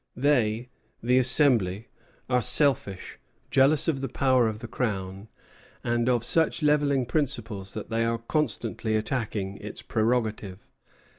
"They [the Assembly] are selfish, jealous of the power of the Crown, and of such levelling principles that they are constantly attacking its prerogative....